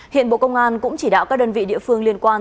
hiện bộ công an cũng chỉ đạo các đơn vị địa phương liên quan